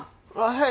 はい！？